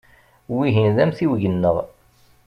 Wihin d amtiweg-nneɣ.